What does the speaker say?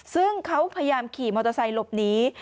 ซึ่งเขาพยายามขี่มอเตอร์ไซค์หลบหนี